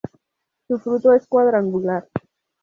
Su fruto es cuadrangular.